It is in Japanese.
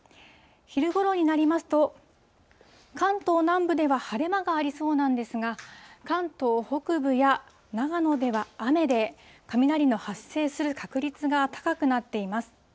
昼ごろになりますと、関東南部では晴れ間がありそうなんですが、関東北部や長野では雨で、雷の発生する確率が高くなっています。